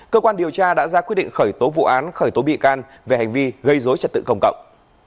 cơ quan điều tra đã ra quyết định khởi tố vụ án khởi tố bị can về hành vi gây dối trật tự công cộng